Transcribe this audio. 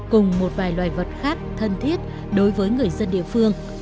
cùng một vài loài vật khác thân thiết đối với người dân địa phương